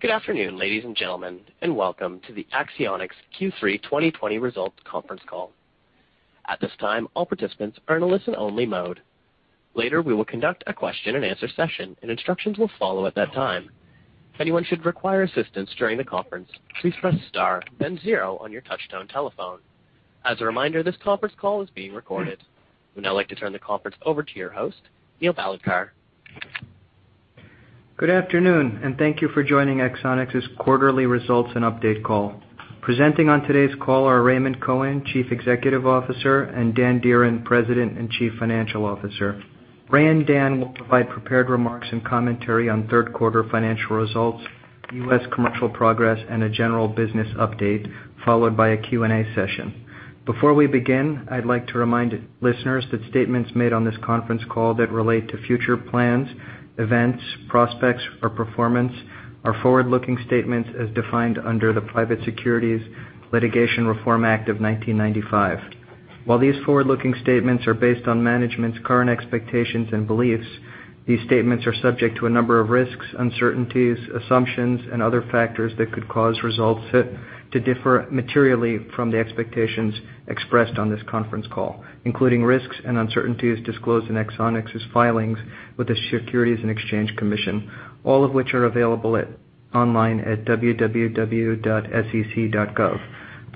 Good afternoon, ladies and gentlemen, and welcome to the Axonics Q3 2020 results conference call. At this time, all participants are in a listen-only mode. Later, we will conduct a question and answer session, and instructions will follow at that time. If anyone should require assistance during the conference, please press star then zero on your touch-tone telephone. As a reminder, this conference call is being recorded. I would now like to turn the conference over to your host, Neil Bhalodkar. Good afternoon, and thank you for joining Axonics' quarterly results and update call. Presenting on today's call are Raymond Cohen, Chief Executive Officer, and Dan Dearen President and Chief Financial Officer. Ray and Dan will provide prepared remarks and commentary on third-quarter financial results, U.S. commercial progress, and a general business update, followed by a Q&A session. Before we begin, I'd like to remind listeners that statements made on this conference call that relate to future plans, events, prospects, or performance are forward-looking statements as defined under the Private Securities Litigation Reform Act of 1995. While these forward-looking statements are based on management's current expectations and beliefs, these statements are subject to a number of risks, uncertainties, assumptions, and other factors that could cause results to differ materially from the expectations expressed on this conference call, including risks and uncertainties disclosed in Axonics' filings with the Securities and Exchange Commission, all of which are available online at www.sec.gov.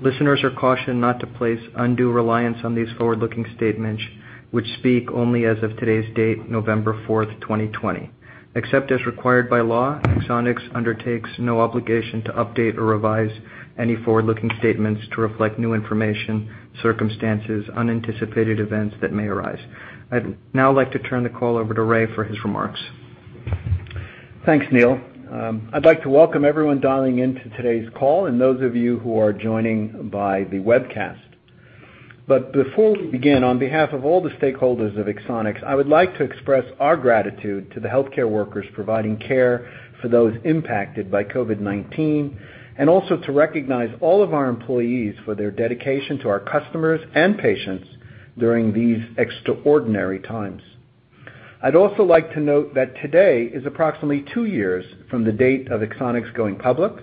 Listeners are cautioned not to place undue reliance on these forward-looking statements, which speak only as of today's date, November fourth, 2020. Except as required by law, Axonics undertakes no obligation to update or revise any forward-looking statements to reflect new information, circumstances, or unanticipated events that may arise. I'd now like to turn the call over to Ray for his remarks. Thanks, Neil. I'd like to welcome everyone dialing in to today's call and those of you who are joining by the webcast. Before we begin, on behalf of all the stakeholders of Axonics, I would like to express our gratitude to the healthcare workers providing care for those impacted by COVID-19, and also to recognize all of our employees for their dedication to our customers and patients during these extraordinary times. I'd also like to note that today is approximately two years from the date of Axonics going public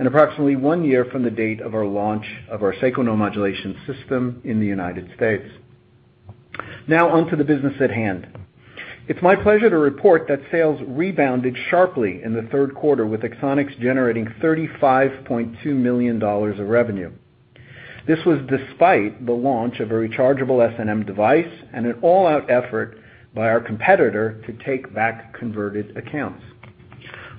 and approximately one year from the date of our launch of our sacral neuromodulation system in the United States. On to the business at hand. It's my pleasure to report that sales rebounded sharply in the third quarter, with Axonics generating $35.2 million of revenue. This was despite the launch of a rechargeable SNM device and an all-out effort by our competitor to take back converted accounts.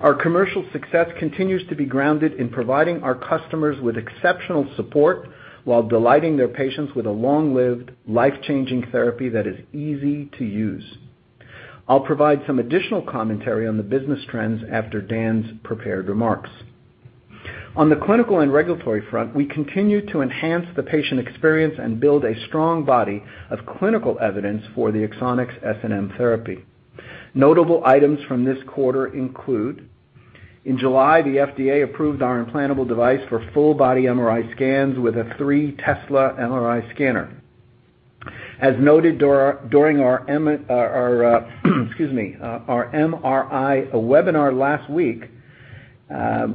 Our commercial success continues to be grounded in providing our customers with exceptional support while delighting their patients with a long-lived, life-changing therapy that is easy to use. I'll provide some additional commentary on the business trends after Dan's prepared remarks. On the clinical and regulatory front, we continue to enhance the patient experience and build a strong body of clinical evidence for the Axonics SNM therapy. Notable items from this quarter include, in July, the FDA approved our implantable device for full-body MRI scans with a 3 Tesla MRI scanner. As noted during our MRI webinar last week,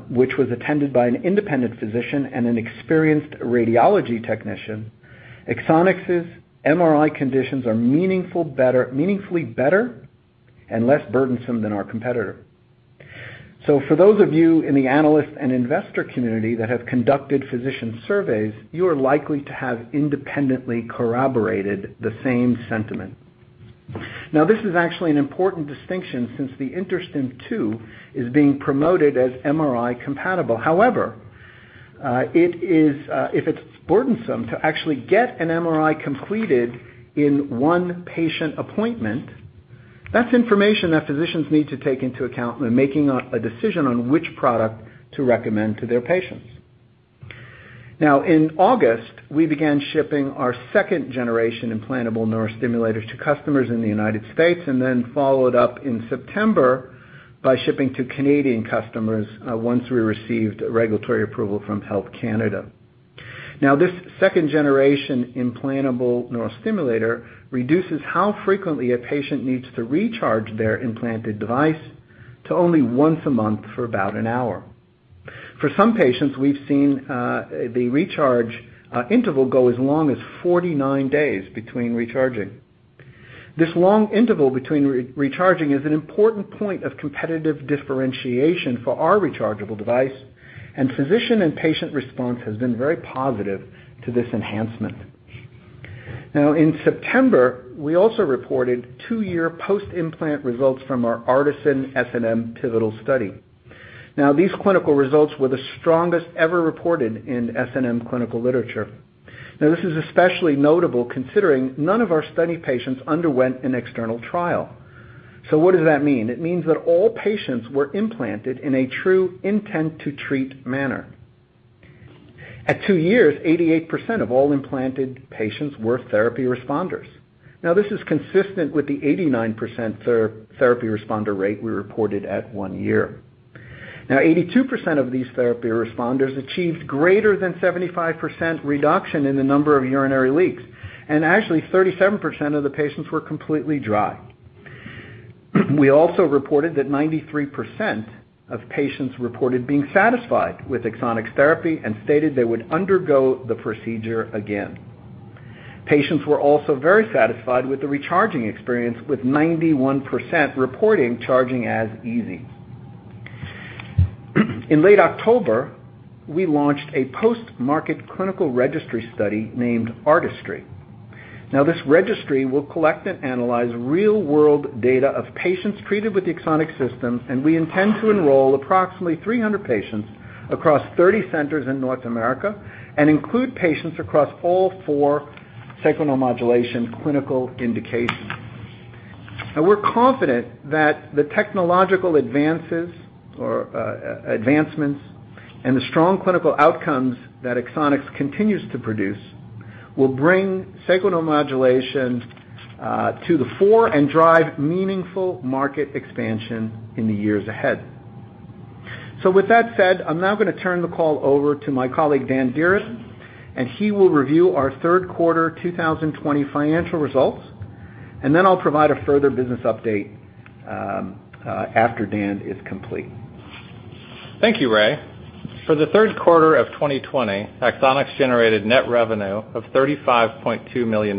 which was attended by an independent physician and an experienced radiology technician, Axonics' MRI conditions are meaningfully better and less burdensome than our competitor. For those of you in the analyst and investor community that have conducted physician surveys, you are likely to have independently corroborated the same sentiment. This is actually an important distinction since the InterStim II is being promoted as MRI compatible. If it's burdensome to actually get an MRI completed in one patient appointment, that's information that physicians need to take into account when making a decision on which product to recommend to their patients. In August, we began shipping our second-generation implantable neurostimulators to customers in the U.S. and then followed up in September by shipping to Canadian customers once we received regulatory approval from Health Canada. This second-generation implantable neurostimulator reduces how frequently a patient needs to recharge their implanted device to only once a month for about an hour. For some patients, we've seen the recharge interval go as long as 49 days between recharging. This long interval between recharging is an important point of competitive differentiation for our rechargeable device, and physician and patient response has been very positive to this enhancement. In September, we also reported two-year post-implant results from our ARTISAN-SNM pivotal study. These clinical results were the strongest ever reported in SNM clinical literature. This is especially notable considering none of our study patients underwent an external trial. What does that mean? It means that all patients were implanted in a true intent-to-treat manner. At two years, 88% of all implanted patients were therapy responders. This is consistent with the 89% therapy responder rate we reported at one year. 82% of these therapy responders achieved greater than 75% reduction in the number of urinary leaks, and actually, 37% of the patients were completely dry. We also reported that 93% of patients reported being satisfied with Axonics therapy and stated they would undergo the procedure again. Patients were also very satisfied with the recharging experience, with 91% reporting charging as easy. In late October, we launched a post-market clinical registry study named ARTISTRY. Now this registry will collect and analyze real-world data of patients treated with the Axonics system, and we intend to enroll approximately 300 patients across 30 centers in North America, and include patients across all four sacral neuromodulation clinical indications. Now we're confident that the technological advancements and the strong clinical outcomes that Axonics continues to produce will bring Sacral Neuromodulation to the fore and drive meaningful market expansion in the years ahead. With that said, I'm now going to turn the call over to my colleague, Dan Dearen, and he will review our third quarter 2020 financial results, and then I'll provide a further business update after Dan is complete. Thank you, Ray. For the third quarter of 2020, Axonics generated net revenue of $35.2 million.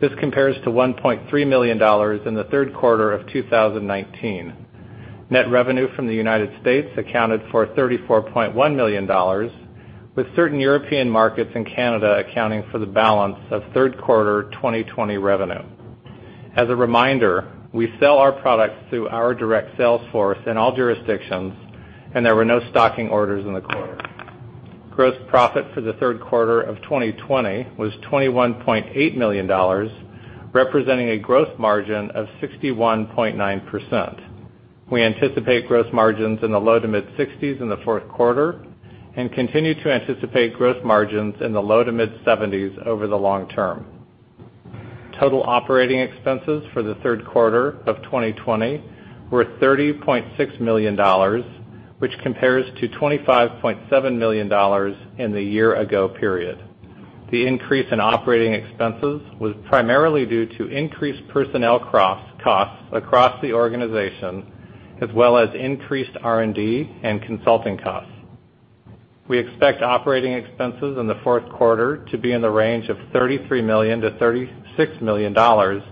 This compares to $1.3 million in the third quarter of 2019. Net revenue from the U.S. accounted for $34.1 million, with certain European markets and Canada accounting for the balance of third quarter 2020 revenue. As a reminder, we sell our products through our direct sales force in all jurisdictions. There were no stocking orders in the quarter. Gross profit for the third quarter of 2020 was $21.8 million, representing a gross margin of 61.9%. We anticipate gross margins in the low to mid-60s in the fourth quarter and continue to anticipate gross margins in the low to mid-70s over the long term. Total operating expenses for the third quarter of 2020 were $30.6 million, which compares to $25.7 million in the year ago period. The increase in operating expenses was primarily due to increased personnel costs across the organization, as well as increased R&D and consulting costs. We expect operating expenses in the fourth quarter to be in the range of $33 million-$36 million,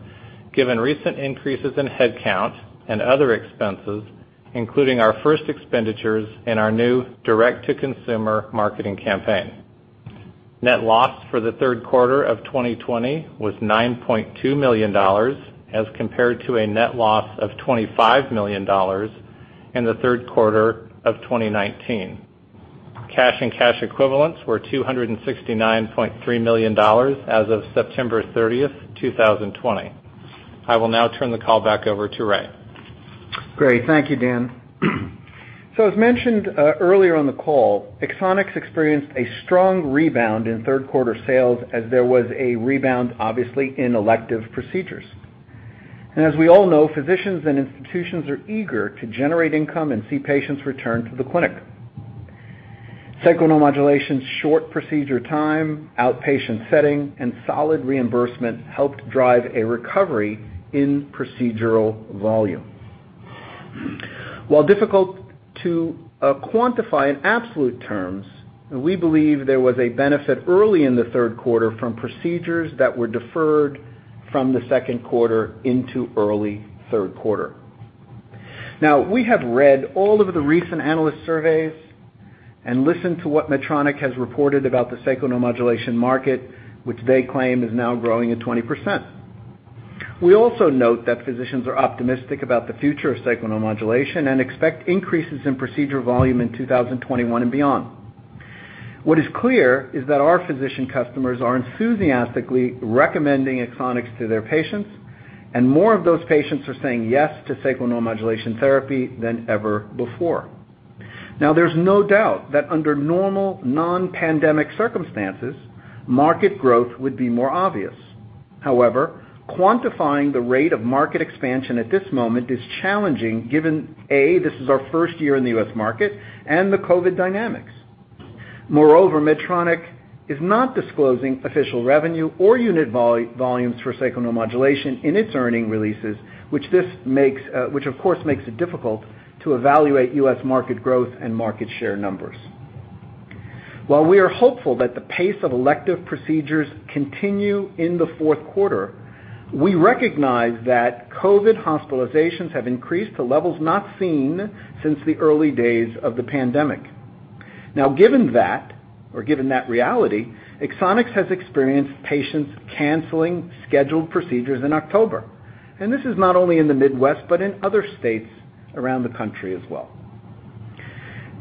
given recent increases in headcount and other expenses, including our first expenditures in our new direct-to-consumer marketing campaign. Net loss for the third quarter of 2020 was $9.2 million, as compared to a net loss of $25 million in the third quarter of 2019. Cash and cash equivalents were $269.3 million as of September 30th, 2020. I will now turn the call back over to Ray. Great. Thank you, Dan. As mentioned earlier on the call, Axonics experienced a strong rebound in third quarter sales as there was a rebound, obviously, in elective procedures. As we all know, physicians and institutions are eager to generate income and see patients return to the clinic. Sacral Neuromodulation's short procedure time, outpatient setting, and solid reimbursement helped drive a recovery in procedural volume. While difficult to quantify in absolute terms, we believe there was a benefit early in the third quarter from procedures that were deferred from the second quarter into early third quarter. We have read all of the recent analyst surveys and listened to what Medtronic has reported about the Sacral Neuromodulation market, which they claim is now growing at 20%. We also note that physicians are optimistic about the future of Sacral Neuromodulation and expect increases in procedure volume in 2021 and beyond. What is clear is that our physician customers are enthusiastically recommending Axonics to their patients, and more of those patients are saying yes to Sacral Neuromodulation therapy than ever before. There's no doubt that under normal, non-pandemic circumstances, market growth would be more obvious. However, quantifying the rate of market expansion at this moment is challenging given, A, this is our first year in the U.S. market, and the COVID dynamics. Moreover, Medtronic is not disclosing official revenue or unit volumes for Sacral Neuromodulation in its earning releases, which of course makes it difficult to evaluate U.S. market growth and market share numbers. While we are hopeful that the pace of elective procedures continue in the fourth quarter, we recognize that COVID hospitalizations have increased to levels not seen since the early days of the pandemic. Given that, or given that reality, Axonics has experienced patients canceling scheduled procedures in October. This is not only in the Midwest, but in other states around the country as well.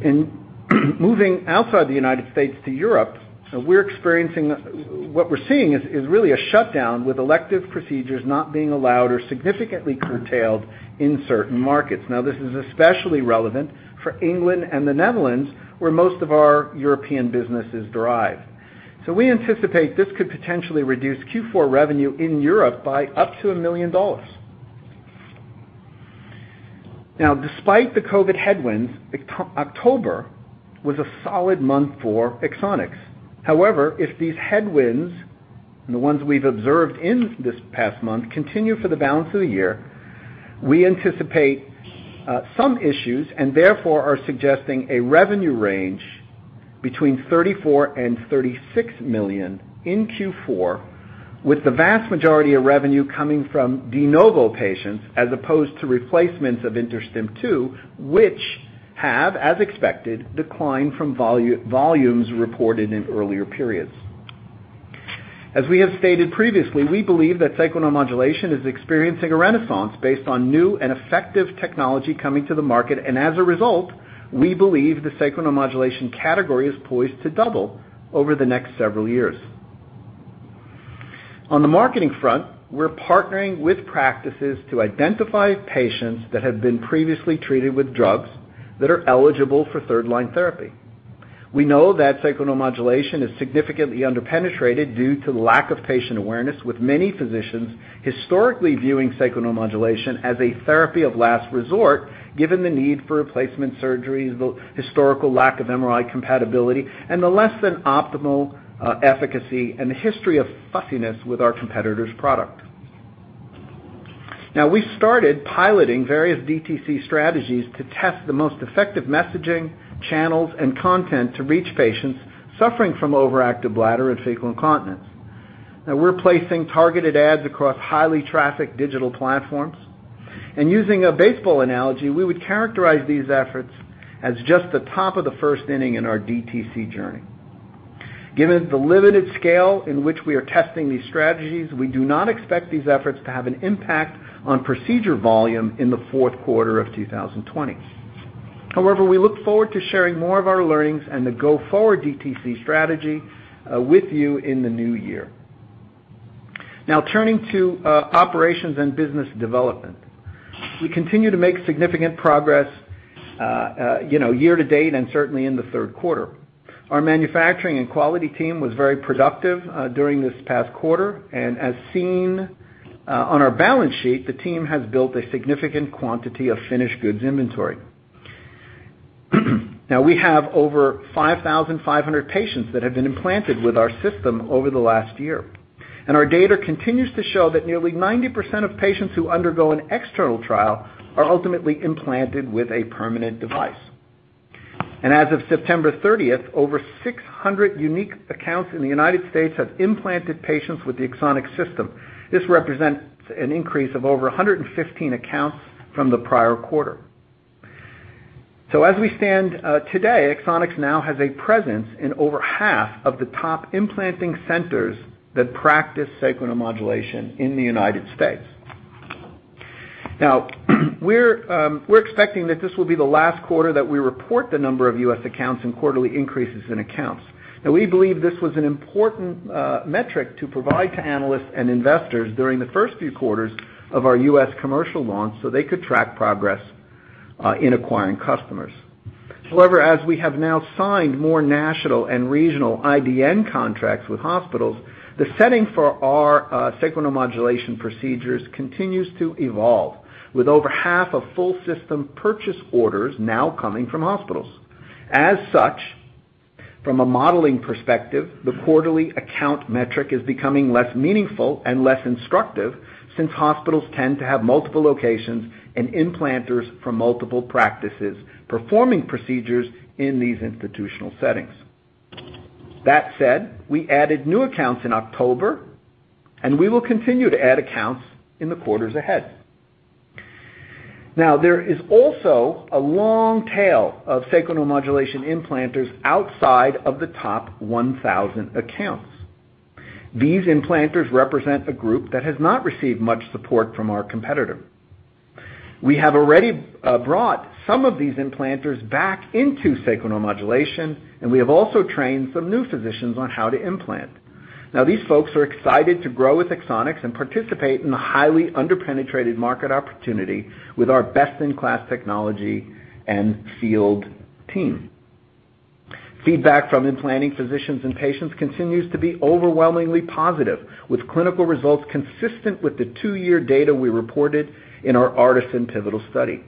Moving outside the United States to Europe, what we're seeing is really a shutdown with elective procedures not being allowed or significantly curtailed in certain markets. This is especially relevant for England and the Netherlands, where most of our European business is derived. We anticipate this could potentially reduce Q4 revenue in Europe by up to $1 million. Despite the COVID headwinds, October was a solid month for Axonics. However, if these headwinds and the ones we've observed in this past month continue for the balance of the year, we anticipate some issues and therefore are suggesting a revenue range between $34 million and $36 million in Q4, with the vast majority of revenue coming from de novo patients as opposed to replacements of InterStim II, which have, as expected, declined from volumes reported in earlier periods. As we have stated previously, we believe that Sacral Neuromodulation is experiencing a renaissance based on new and effective technology coming to the market, and as a result, we believe the Sacral Neuromodulation category is poised to double over the next several years. On the marketing front, we're partnering with practices to identify patients that have been previously treated with drugs that are eligible for third-line therapy. We know that Sacral Neuromodulation is significantly under-penetrated due to lack of patient awareness, with many physicians historically viewing Sacral Neuromodulation as a therapy of last resort, given the need for replacement surgeries, the historical lack of MRI compatibility, and the less than optimal efficacy and the history of fussiness with our competitor's product. Now, we started piloting various DTC strategies to test the most effective messaging, channels, and content to reach patients suffering from overactive bladder and fecal incontinence. Now we're placing targeted ads across highly trafficked digital platforms, and using a baseball analogy, we would characterize these efforts as just the top of the first inning in our DTC journey. Given the limited scale in which we are testing these strategies, we do not expect these efforts to have an impact on procedure volume in the fourth quarter of 2020. We look forward to sharing more of our learnings and the go-forward DTC strategy with you in the new year. Turning to operations and business development. We continue to make significant progress year to date and certainly in the third quarter. Our manufacturing and quality team was very productive during this past quarter, and as seen on our balance sheet, the team has built a significant quantity of finished goods inventory. We have over 5,500 patients that have been implanted with our system over the last year. Our data continues to show that nearly 90% of patients who undergo an external trial are ultimately implanted with a permanent device. As of September 30th, over 600 unique accounts in the U.S. have implanted patients with the Axonics system. This represents an increase of over 115 accounts from the prior quarter. As we stand today, Axonics now has a presence in over half of the top implanting centers that practice sacral neuromodulation in the U.S. We're expecting that this will be the last quarter that we report the number of U.S. accounts and quarterly increases in accounts. We believe this was an important metric to provide to analysts and investors during the first few quarters of our U.S. commercial launch so they could track progress in acquiring customers. However, as we have now signed more national and regional IDN contracts with hospitals, the setting for our sacral neuromodulation procedures continues to evolve, with over half of full system purchase orders now coming from hospitals. As such, from a modeling perspective, the quarterly account metric is becoming less meaningful and less instructive since hospitals tend to have multiple locations and implanters from multiple practices performing procedures in these institutional settings. That said, we added new accounts in October, and we will continue to add accounts in the quarters ahead. There is also a long tail of Sacral Neuromodulation implanters outside of the top 1,000 accounts. These implanters represent a group that has not received much support from our competitor. We have already brought some of these implanters back into Sacral Neuromodulation, and we have also trained some new physicians on how to implant. These folks are excited to grow with Axonics and participate in the highly under-penetrated market opportunity with our best-in-class technology and field team. Feedback from implanting physicians and patients continues to be overwhelmingly positive, with clinical results consistent with the two-year data we reported in our ARTISAN-SNM pivotal study.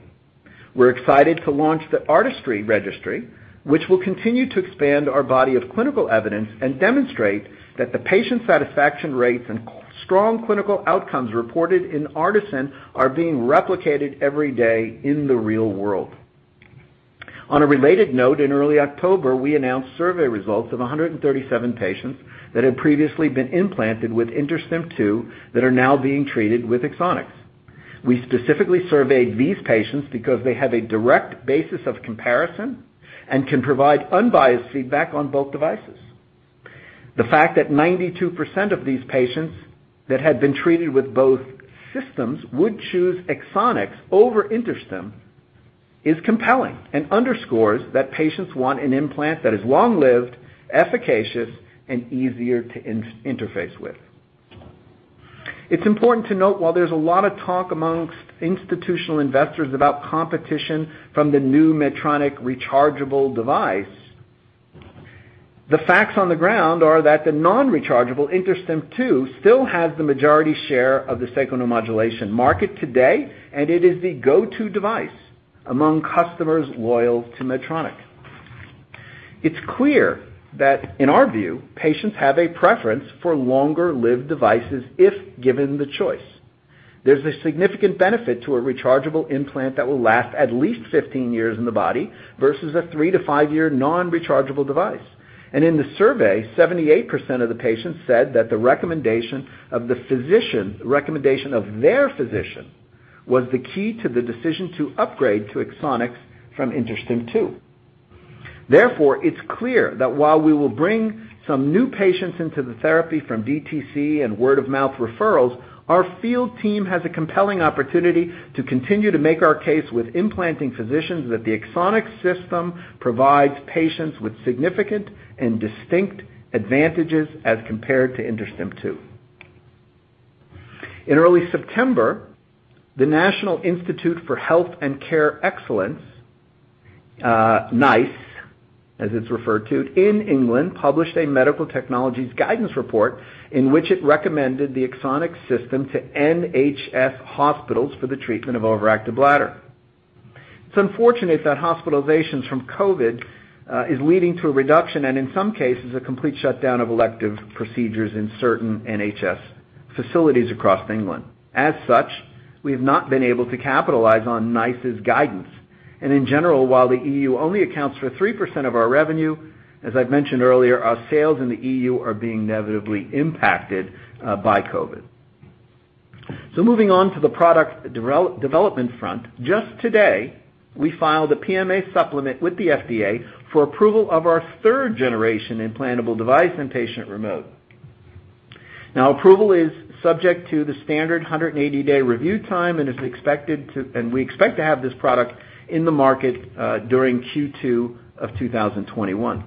We're excited to launch the ARTISTRY registry, which will continue to expand our body of clinical evidence and demonstrate that the patient satisfaction rates and strong clinical outcomes reported in ARTISAN-SNM are being replicated every day in the real world. On a related note, in early October, we announced survey results of 137 patients that had previously been implanted with InterStim II that are now being treated with Axonics. We specifically surveyed these patients because they have a direct basis of comparison and can provide unbiased feedback on both devices. The fact that 92% of these patients that had been treated with both systems would choose Axonics over InterStim is compelling and underscores that patients want an implant that is long-lived, efficacious, and easier to interface with. It's important to note while there's a lot of talk amongst institutional investors about competition from the new Medtronic rechargeable device. The facts on the ground are that the non-rechargeable InterStim II still has the majority share of the sacral neuromodulation market today, and it is the go-to device among customers loyal to Medtronic. It's clear that in our view, patients have a preference for longer-lived devices if given the choice. There's a significant benefit to a rechargeable implant that will last at least 15 years in the body versus a three- to five-year non-rechargeable device. In the survey, 78% of the patients said that the recommendation of their physician was the key to the decision to upgrade to Axonics from InterStim II. Therefore, it's clear that while we will bring some new patients into the therapy from DTC and word of mouth referrals, our field team has a compelling opportunity to continue to make our case with implanting physicians that the Axonics system provides patients with significant and distinct advantages as compared to InterStim II. In early September, the National Institute for Health and Care Excellence, NICE as it's referred to, in England, published a medical technologies guidance report in which it recommended the Axonics system to NHS hospitals for the treatment of overactive bladder. It's unfortunate that hospitalizations from COVID is leading to a reduction, and in some cases, a complete shutdown of elective procedures in certain NHS facilities across England. As such, we have not been able to capitalize on NICE's guidance. In general, while the EU only accounts for 3% of our revenue, as I've mentioned earlier, our sales in the EU are being negatively impacted by COVID. Moving on to the product development front. Just today, we filed a PMA supplement with the FDA for approval of our third generation implantable device and patient remote. Approval is subject to the standard 180-day review time, and we expect to have this product in the market during Q2 of 2021.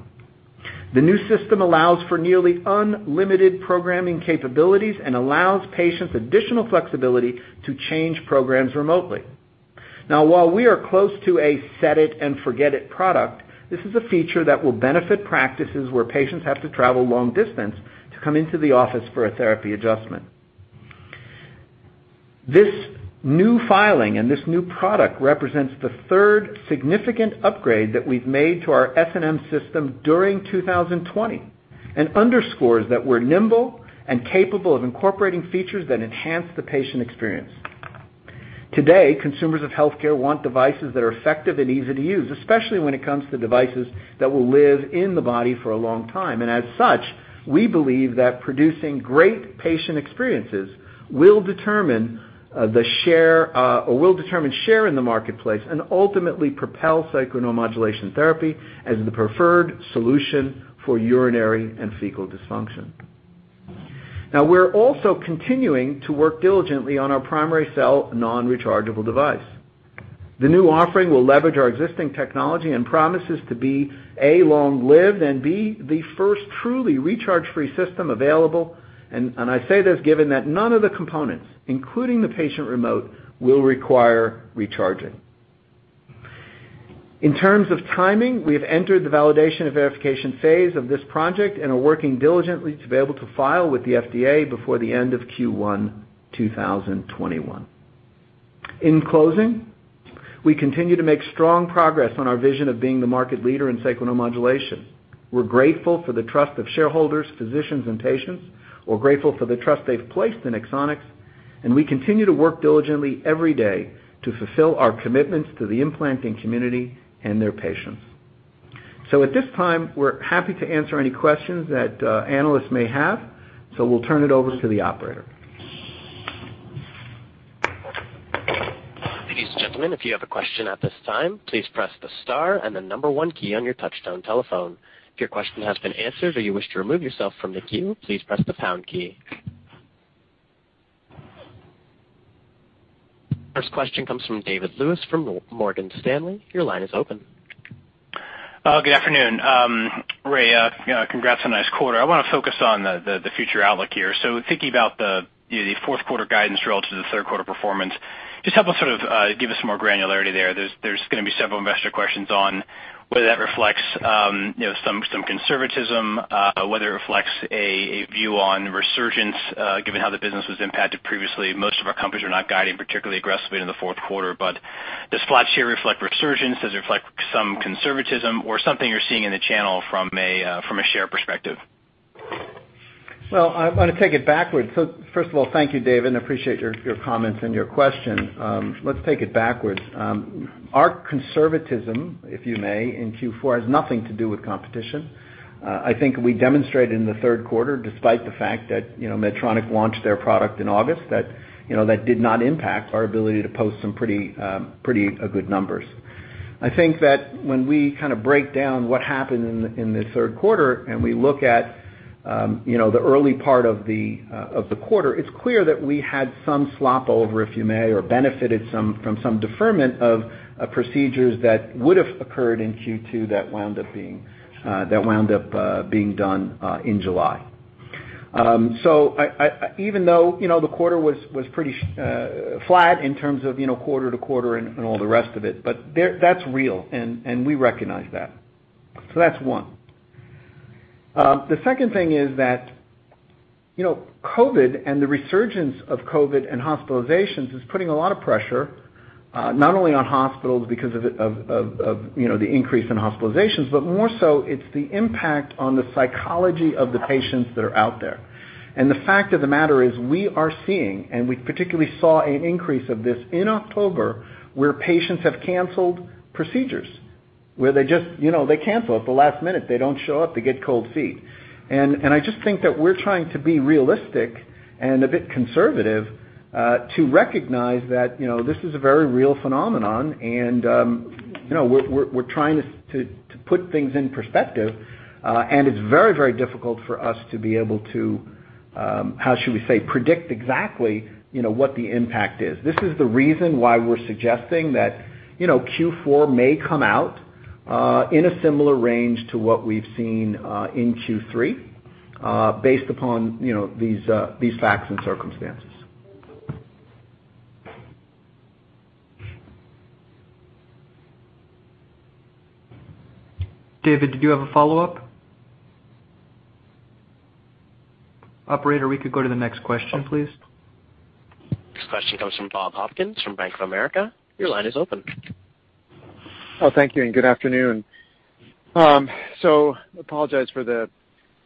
The new system allows for nearly unlimited programming capabilities and allows patients additional flexibility to change programs remotely. While we are close to a set it and forget it product, this is a feature that will benefit practices where patients have to travel long distance to come into the office for a therapy adjustment. This new filing and this new product represents the third significant upgrade that we've made to our SNM system during 2020 and underscores that we're nimble and capable of incorporating features that enhance the patient experience. Today, consumers of healthcare want devices that are effective and easy to use, especially when it comes to devices that will live in the body for a long time. As such, we believe that producing great patient experiences will determine share in the marketplace and ultimately propel Sacral Neuromodulation therapy as the preferred solution for urinary and fecal dysfunction. We're also continuing to work diligently on our primary cell non-rechargeable device. The new offering will leverage our existing technology and promises to be, A, long-lived, and B, the first truly recharge-free system available. I say this given that none of the components, including the patient remote, will require recharging. In terms of timing, we have entered the validation and verification phase of this project and are working diligently to be able to file with the FDA before the end of Q1 2021. In closing, we continue to make strong progress on our vision of being the market leader in sacral neuromodulation. We're grateful for the trust of shareholders, physicians, and patients. We're grateful for the trust they've placed in Axonics, and we continue to work diligently every day to fulfill our commitments to the implanting community and their patients. At this time, we're happy to answer any questions that analysts may have. We'll turn it over to the operator. If you have a question at this time, please press the star and the number one key on your touchtone telephone. If your question has been answered or you wish to remove yourself from the queue, please press the pound key. First question comes from David Lewis from Morgan Stanley. Your line is open. Good afternoon. Ray, congrats on a nice quarter. I want to focus on the future outlook here. Thinking about the fourth quarter guidance relative to the third quarter performance, just help us sort of give us some more granularity there. There's going to be several investor questions on whether that reflects some conservatism, whether it reflects a view on resurgence, given how the business was impacted previously. Most of our companies are not guiding particularly aggressively in the fourth quarter, does flat share reflect resurgence? Does it reflect some conservatism or something you're seeing in the channel from a share perspective? Well, I want to take it backwards. First of all, thank you, David, and appreciate your comments and your question. Let's take it backwards. Our conservatism, if you may, in Q4 has nothing to do with competition. I think we demonstrated in the third quarter, despite the fact that Medtronic launched their product in August, that did not impact our ability to post some pretty good numbers. I think that when we kind of break down what happened in the third quarter and we look at the early part of the quarter, it's clear that we had some slop over, if you may, or benefited from some deferment of procedures that would have occurred in Q2 that wound up being done in July. Even though the quarter was pretty flat in terms of quarter-over-quarter and all the rest of it, but that's real, and we recognize that. That's one. The second thing is that COVID and the resurgence of COVID and hospitalizations is putting a lot of pressure, not only on hospitals because of the increase in hospitalizations, but more so it's the impact on the psychology of the patients that are out there. The fact of the matter is we are seeing, and we particularly saw an increase of this in October, where patients have canceled procedures. Where they cancel at the last minute. They don't show up, they get cold feet. I just think that we're trying to be realistic and a bit conservative to recognize that this is a very real phenomenon, and we're trying to put things in perspective. It's very, very difficult for us to be able to, how should we say, predict exactly what the impact is. This is the reason why we're suggesting that Q4 may come out in a similar range to what we've seen in Q3 based upon these facts and circumstances. David, did you have a follow-up? Operator, we could go to the next question, please. Next question comes from Bob Hopkins from Bank of America. Your line is open. Thank you, and good afternoon. Apologize for the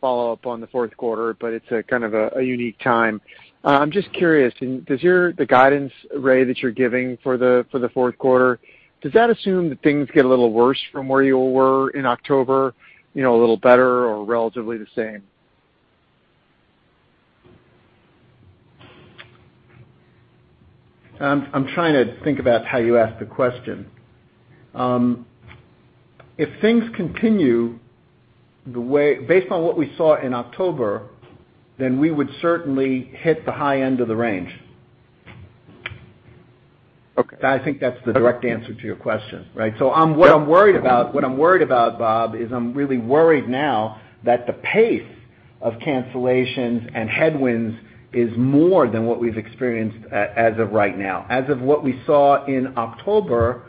follow-up on the fourth quarter, but it's a kind of a unique time. I'm just curious. Does the guidance, Ray, that you're giving for the fourth quarter, does that assume that things get a little worse from where you were in October? A little better or relatively the same? I'm trying to think about how you asked the question. If things continue based on what we saw in October, then we would certainly hit the high end of the range. Okay. I think that's the direct answer to your question, right? What I'm worried about, Bob, is I'm really worried now that the pace of cancellations and headwinds is more than what we've experienced as of right now. As of what we saw in October,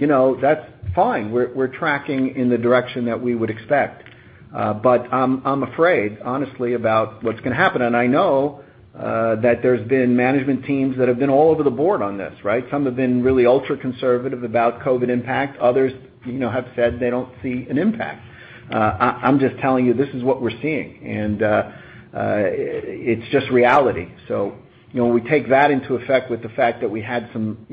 that's fine. We're tracking in the direction that we would expect. I'm afraid, honestly, about what's going to happen. I know that there's been management teams that have been all over the board on this, right? Some have been really ultra conservative about COVID impact. Others have said they don't see an impact. I'm just telling you, this is what we're seeing, and it's just reality. When we take that into effect with the fact that we had some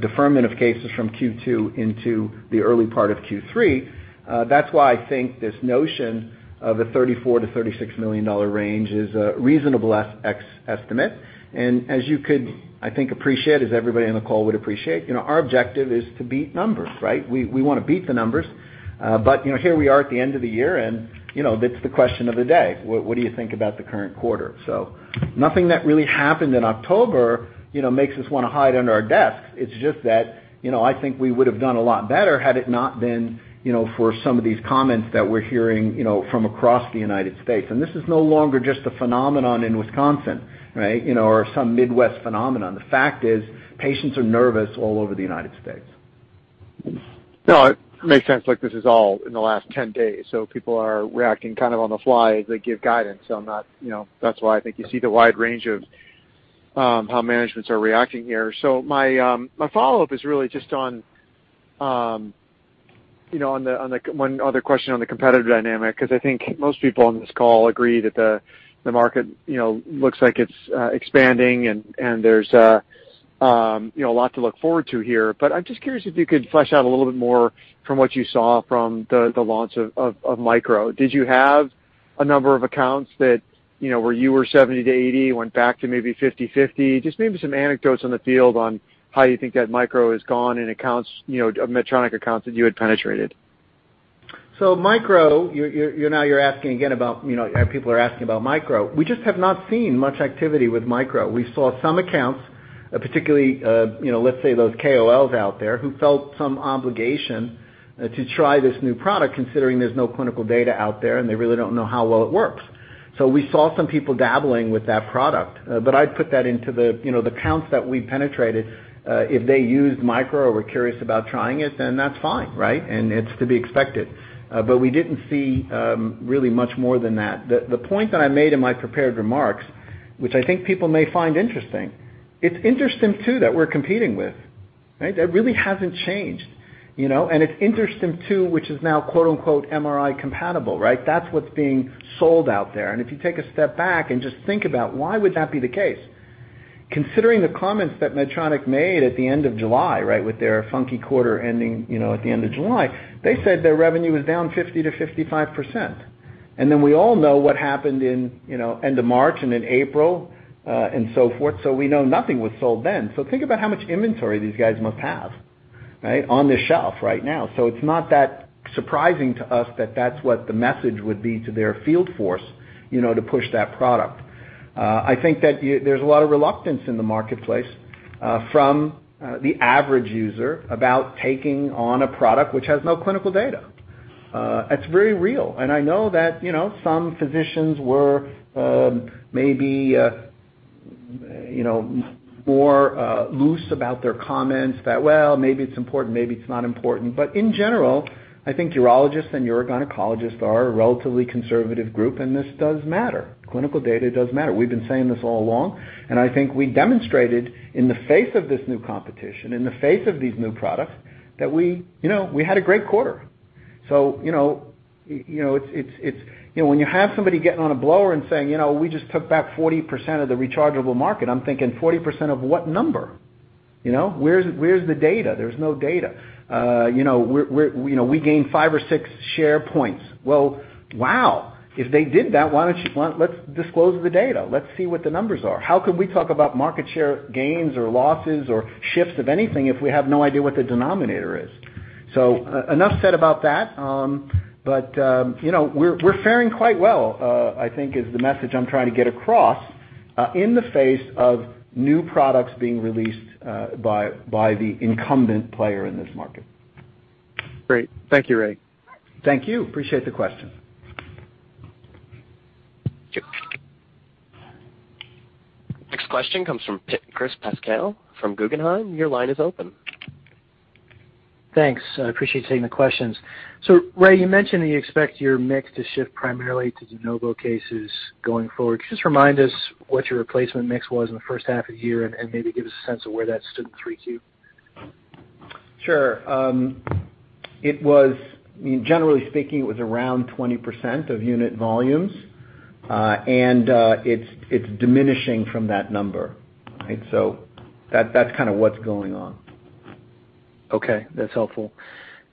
deferment of cases from Q2 into the early part of Q3, that's why I think this notion of a $34 million-$36 million range is a reasonable estimate. As you could, I think, appreciate, as everybody on the call would appreciate, our objective is to beat numbers, right? We want to beat the numbers. Here we are at the end of the year, and that's the question of the day. What do you think about the current quarter? Nothing that really happened in October makes us want to hide under our desks. It's just that I think we would've done a lot better had it not been for some of these comments that we're hearing from across the U.S. This is no longer just a phenomenon in Wisconsin, right? Some Midwest phenomenon. The fact is, patients are nervous all over the United States. No, it makes sense, like this is all in the last 10 days. People are reacting kind of on the fly as they give guidance. That's why I think you see the wide range of how managements are reacting here. My follow-up is really just on one other question on the competitive dynamic, because I think most people on this call agree that the market looks like it's expanding and there's a lot to look forward to here. I'm just curious if you could flesh out a little bit more from what you saw from the launch of Micro. Did you have a number of accounts that where you were 70/80, went back to maybe 50/50? Just maybe some anecdotes on the field on how you think that Micro has gone in Medtronic accounts that you had penetrated. Micro, now you're asking again about, people are asking about Micro. We just have not seen much activity with Micro. We saw some accounts, particularly, let's say those KOLs out there, who felt some obligation to try this new product considering there's no clinical data out there and they really don't know how well it works. We saw some people dabbling with that product. I'd put that into the counts that we penetrated. If they used Micro or were curious about trying it, then that's fine, right? It's to be expected. We didn't see really much more than that. The point that I made in my prepared remarks, which I think people may find interesting, it's InterStim II that we're competing with, right? That really hasn't changed. It's InterStim II, which is now, quote-unquote, "MRI compatible," right? That's what's being sold out there. If you take a step back and just think about why would that be the case? Considering the comments that Medtronic made at the end of July, right, with their funky quarter ending at the end of July. They said their revenue was down 50% to 55%. Then we all know what happened in end of March and in April and so forth. We know nothing was sold then. Think about how much inventory these guys must have, right, on the shelf right now. It's not that surprising to us that that's what the message would be to their field force to push that product. I think that there's a lot of reluctance in the marketplace from the average user about taking on a product which has no clinical data. It's very real. I know that some physicians were maybe more loose about their comments that, well, maybe it's important, maybe it's not important. In general, I think urologists and urogynecologists are a relatively conservative group, and this does matter. Clinical data does matter. We've been saying this all along, and I think we demonstrated in the face of this new competition, in the face of these new products, that we had a great quarter. When you have somebody getting on a blower and saying, "We just took back 40% of the rechargeable market," I'm thinking 40% of what number? Where's the data? There's no data. We gained five or six share points. Well, wow. If they did that, let's disclose the data. Let's see what the numbers are. How can we talk about market share gains or losses or shifts of anything if we have no idea what the denominator is? Enough said about that. We're faring quite well, I think is the message I'm trying to get across, in the face of new products being released by the incumbent player in this market. Great. Thank you, Ray. Thank you. Appreciate the question. Sure. Next question comes from Chris Pasquale from Guggenheim. Your line is open. Thanks. Ray, you mentioned that you expect your mix to shift primarily to de novo cases going forward. Could you just remind us what your replacement mix was in the first half of the year and maybe give us a sense of where that stood in 3Q? Sure. Generally speaking, it was around 20% of unit volumes, and it's diminishing from that number. That's kind of what's going on. Okay. That's helpful.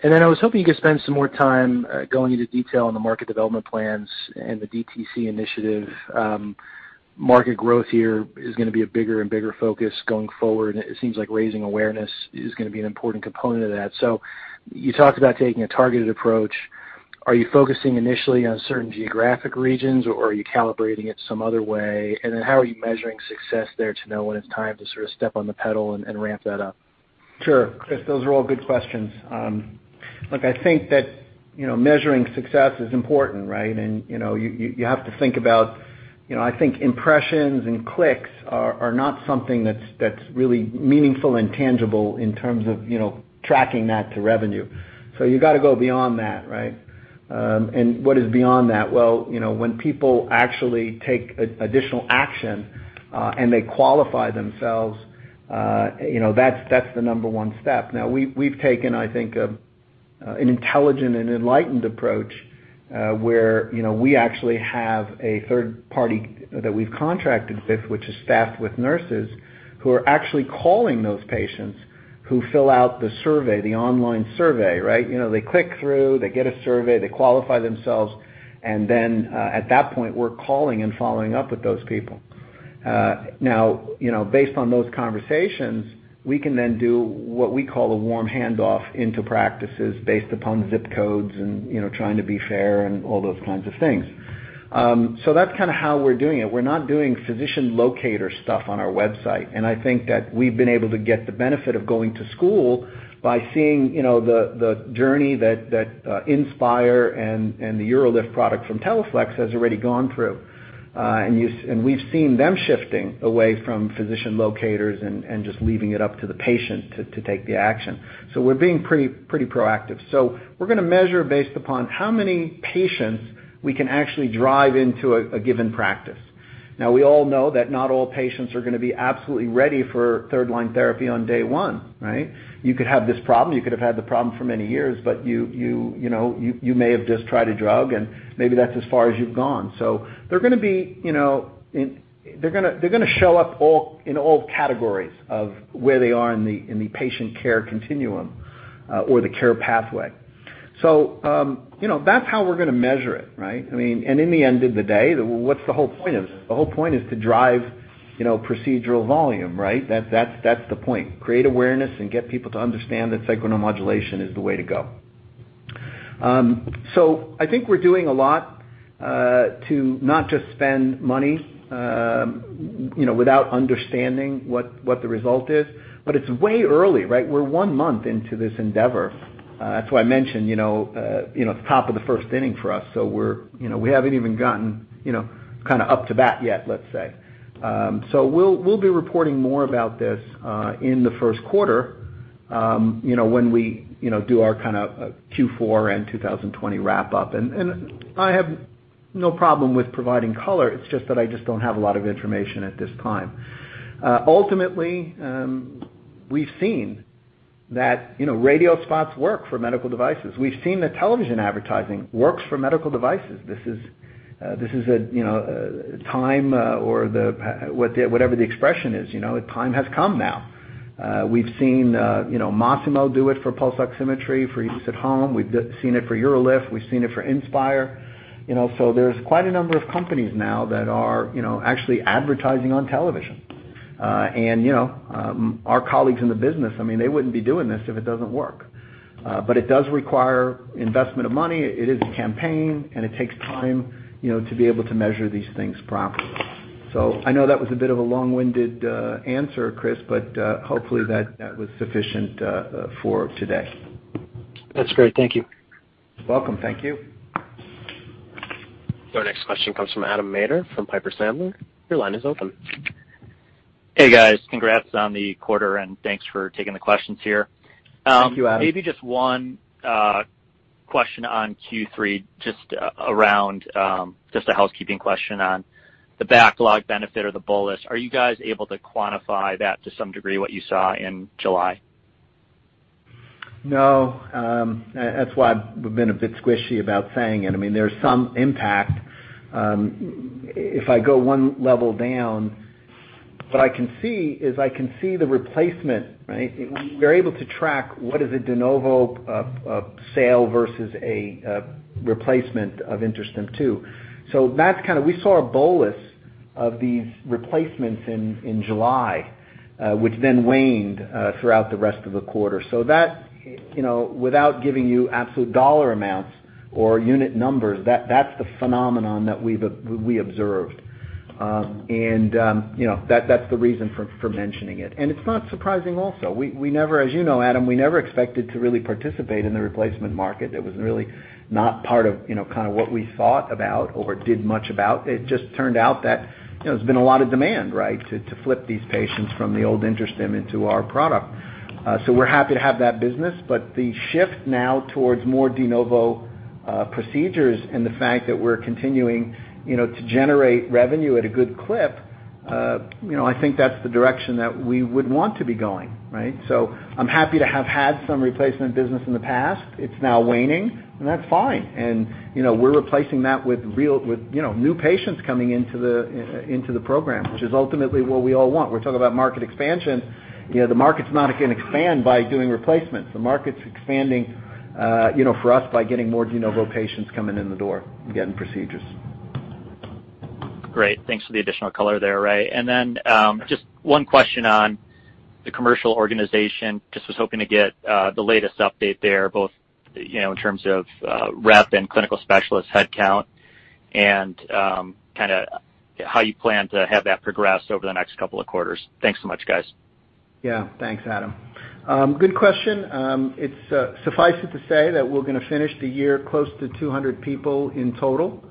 I was hoping you could spend some more time going into detail on the market development plans and the DTC initiative. Market growth here is going to be a bigger and bigger focus going forward. It seems like raising awareness is going to be an important component of that. You talked about taking a targeted approach. Are you focusing initially on certain geographic regions, or are you calibrating it some other way? How are you measuring success there to know when it's time to sort of step on the pedal and ramp that up? Sure. Chris, those are all good questions. Look, I think that measuring success is important, right? You have to think about impressions and clicks are not something that's really meaningful and tangible in terms of tracking that to revenue. You got to go beyond that, right? What is beyond that? Well, when people actually take additional action, and they qualify themselves, that's the number one step. Now, we've taken, I think, an intelligent and enlightened approach, where we actually have a third party that we've contracted with, which is staffed with nurses who are actually calling those patients who fill out the survey, the online survey, right? They click through, they get a survey, they qualify themselves, and then at that point, we're calling and following up with those people. Based on those conversations, we can then do what we call a warm handoff into practices based upon zip codes and trying to be fair and all those kinds of things. That's kind of how we're doing it. We're not doing physician locator stuff on our website. I think that we've been able to get the benefit of going to school by seeing the journey that Inspire and the UroLift product from Teleflex has already gone through. We've seen them shifting away from physician locators and just leaving it up to the patient to take the action. We're being pretty proactive. We're going to measure based upon how many patients we can actually drive into a given practice. We all know that not all patients are going to be absolutely ready for third-line therapy on day one, right? You could have this problem, you could have had the problem for many years, but you may have just tried a drug, and maybe that's as far as you've gone. They're going to show up in all categories of where they are in the patient care continuum, or the care pathway. That's how we're going to measure it, right? In the end of the day, what's the whole point of this? The whole point is to drive procedural volume, right? That's the point. Create awareness and get people to understand that Sacral Neuromodulation is the way to go. I think we're doing a lot to not just spend money without understanding what the result is, but it's way early, right? We're one month into this endeavor. That's why I mentioned it's top of the first inning for us, so we haven't even gotten kind of up to bat yet, let's say. We'll be reporting more about this in the first quarter, when we do our kind of Q4 and 2020 wrap up. I have no problem with providing color. It's just that I just don't have a lot of information at this time. Ultimately, we've seen that radio spots work for medical devices. We've seen that television advertising works for medical devices. This is a time or whatever the expression is. Time has come now. We've seen Masimo do it for pulse oximetry for use at home. We've seen it for UroLift. We've seen it for Inspire. There's quite a number of companies now that are actually advertising on television. Our colleagues in the business, they wouldn't be doing this if it doesn't work. It does require investment of money. It is a campaign, and it takes time to be able to measure these things properly. I know that was a bit of a long-winded answer, Chris, but hopefully that was sufficient for today. That's great. Thank you. You're welcome. Thank you. Our next question comes from Adam Maeder from Piper Sandler. Your line is open. Hey, guys. Congrats on the quarter, and thanks for taking the questions here. Thank you, Adam. Maybe just one question on Q3, just a housekeeping question on the backlog benefit or the bolus. Are you guys able to quantify that to some degree, what you saw in July? No, that's why we've been a bit squishy about saying it. There's some impact. If I go one level down, what I can see is I can see the replacement, right? We're able to track what is a de novo sale versus a replacement of InterStim II. We saw a bolus of these replacements in July, which then waned throughout the rest of the quarter. That, without giving you absolute dollar amounts or unit numbers, that's the phenomenon that we observed. That's the reason for mentioning it. It's not surprising also. As you know, Adam, we never expected to really participate in the replacement market. It was really not part of kind of what we thought about or did much about. It just turned out that there's been a lot of demand, right, to flip these patients from the old InterStim into our product. We're happy to have that business. The shift now towards more de novo procedures and the fact that we're continuing to generate revenue at a good clip, I think that's the direction that we would want to be going, right? I'm happy to have had some replacement business in the past. It's now waning, and that's fine. We're replacing that with new patients coming into the program, which is ultimately what we all want. We're talking about market expansion. The market's not going to expand by doing replacements. The market's expanding for us by getting more de novo patients coming in the door and getting procedures. Great. Thanks for the additional color there, Ray. Just one question on the commercial organization. Just was hoping to get the latest update there, both in terms of rep and clinical specialist headcount and kind of how you plan to have that progress over the next couple of quarters. Thanks so much, guys. Yeah. Thanks, Adam. Good question. Suffice it to say that we're going to finish the year close to 200 people in total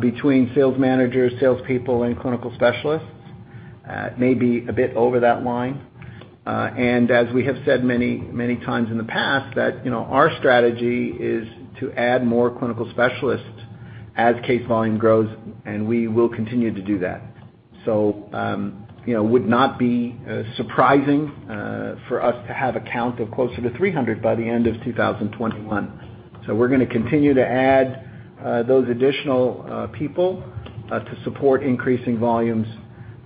between sales managers, salespeople, and clinical specialists. Maybe a bit over that line. As we have said many times in the past that our strategy is to add more clinical specialists as case volume grows, and we will continue to do that. It would not be surprising for us to have a count of closer to 300 by the end of 2021. We're going to continue to add those additional people to support increasing volumes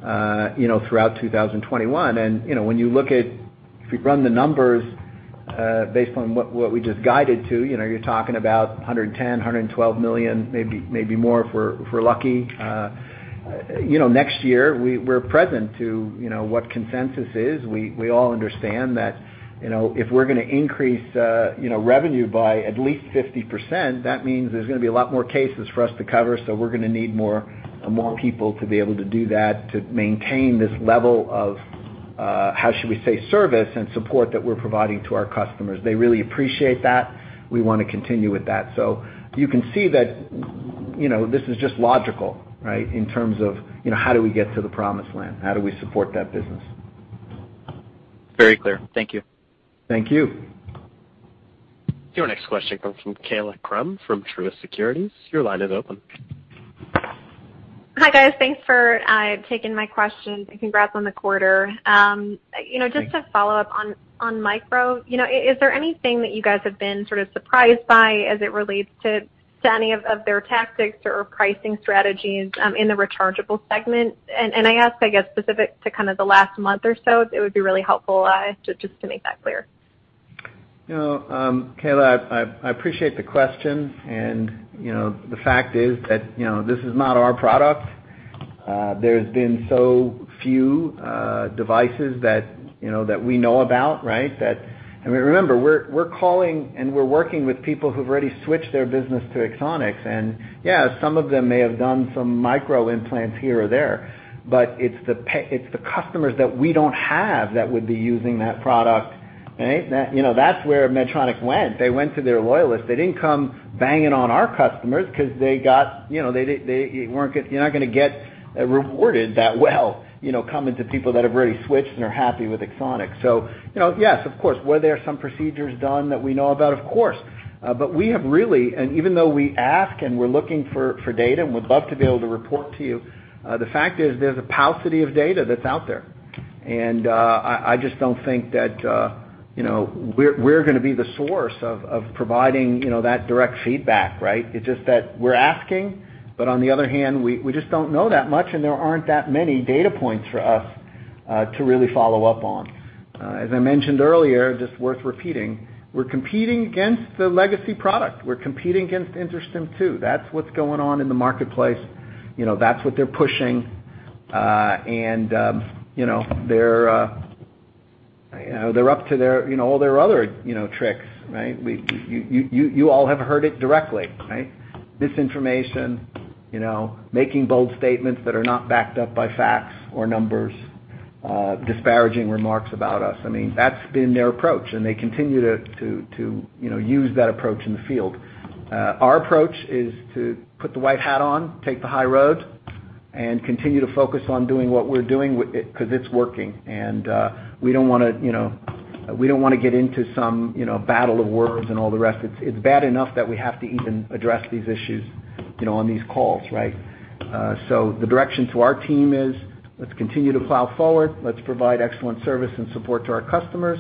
throughout 2021. If you run the numbers based on what we just guided to, you're talking about $110 million-$112 million, maybe more if we're lucky. Next year, we're present to what consensus is. We all understand that if we're going to increase revenue by at least 50%, that means there's going to be a lot more cases for us to cover, so we're going to need more people to be able to do that to maintain this level of, how should we say, service and support that we're providing to our customers. They really appreciate that. We want to continue with that. You can see that this is just logical, right, in terms of how do we get to the promised land? How do we support that business? Very clear. Thank you. Thank you. Your next question comes from Kaila Krum from Truist Securities. Your line is open. Hi, guys. Thanks for taking my question. Congrats on the quarter. Thanks. Just to follow up on Micro. Is there anything that you guys have been sort of surprised by as it relates to any of their tactics or pricing strategies in the rechargeable segment? I ask, I guess, specific to kind of the last month or so, it would be really helpful just to make that clear. Kaila, I appreciate the question. The fact is that this is not our product. There's been so few devices that we know about, right? Remember, we're calling and we're working with people who've already switched their business to Axonics. Yeah, some of them may have done some Micro implants here or there. It's the customers that we don't have that would be using that product, right? That's where Medtronic went. They went to their loyalists. They didn't come banging on our customers because you're not going to get rewarded that well coming to people that have already switched and are happy with Axonics. Yes, of course. Were there some procedures done that we know about? Of course. We have and even though we ask and we're looking for data and would love to be able to report to you, the fact is there's a paucity of data that's out there. I just don't think that we're going to be the source of providing that direct feedback, right? It's just that we're asking, but on the other hand, we just don't know that much, and there aren't that many data points for us to really follow up on. As I mentioned earlier, just worth repeating, we're competing against the legacy product. We're competing against InterStim II. That's what's going on in the marketplace. That's what they're pushing. They're up to all their other tricks, right? You all have heard it directly, right? Misinformation, making bold statements that are not backed up by facts or numbers, disparaging remarks about us. That's been their approach, and they continue to use that approach in the field. Our approach is to put the white hat on, take the high road, and continue to focus on doing what we're doing, because it's working. We don't want to get into some battle of words and all the rest. It's bad enough that we have to even address these issues on these calls, right? The direction to our team is, let's continue to plow forward. Let's provide excellent service and support to our customers.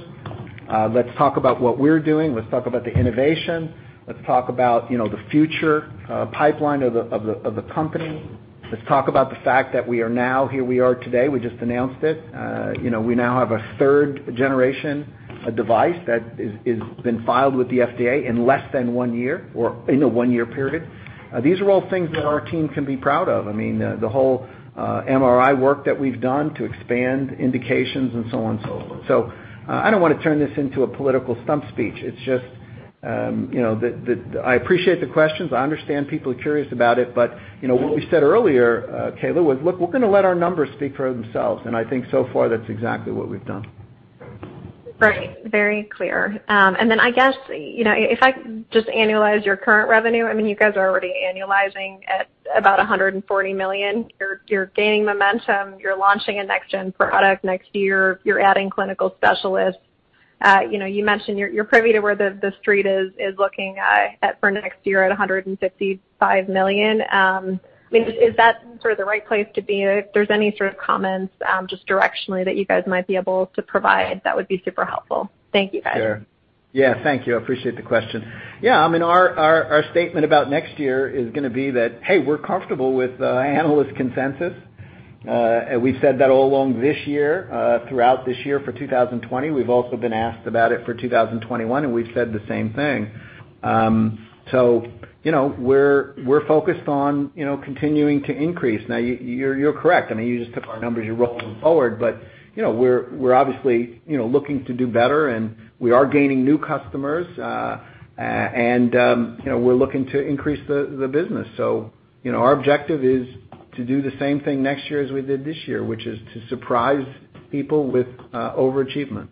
Let's talk about what we're doing. Let's talk about the innovation. Let's talk about the future pipeline of the company. Let's talk about the fact that we are now, here we are today, we just announced it. We now have a third-generation device that has been filed with the FDA in less than one year or in a one-year period. These are all things that our team can be proud of. The whole MRI work that we've done to expand indications and so on and so forth. I don't want to turn this into a political stump speech. I appreciate the questions. I understand people are curious about it. What we said earlier, Kaila, was, look, we're going to let our numbers speak for themselves. I think so far, that's exactly what we've done. Right. Very clear. I guess, if I just annualize your current revenue, you guys are already annualizing at about $140 million. You're gaining momentum. You're launching a next-gen product next year. You're adding clinical specialists. You mentioned you're privy to where the street is looking for next year at $155 million. Is that sort of the right place to be? If there's any sort of comments just directionally that you guys might be able to provide, that would be super helpful. Thank you, guys. Sure. Thank you. I appreciate the question. Our statement about next year is going to be that, hey, we're comfortable with analyst consensus. We've said that all along this year, throughout this year for 2020. We've also been asked about it for 2021, we've said the same thing. We're focused on continuing to increase. Now, you're correct. You just took our numbers, you roll them forward, but we're obviously looking to do better, and we are gaining new customers. We're looking to increase the business. Our objective is to do the same thing next year as we did this year, which is to surprise people with overachievement.